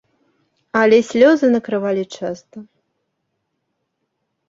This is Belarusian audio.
Але слёзы накрывалі часта.